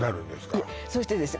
いえそしてですね